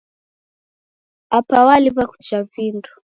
Apa waliwa kujha vindo.